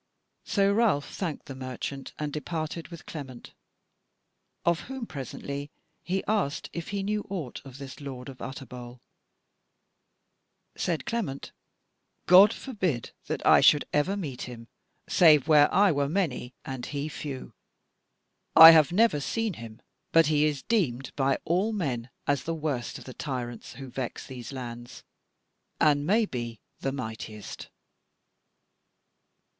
So Ralph thanked the merchant and departed with Clement, of whom presently he asked if he knew aught of this lord of Utterbol. Said Clement: "God forbid that I should ever meet him, save where I were many and he few. I have never seen him; but he is deemed by all men as the worst of the tyrants who vex these lands, and, maybe, the mightiest."